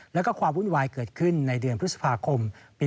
และก็ความวุ่นวายเกิดขึ้นในพฤษภาคม๒๕๓๕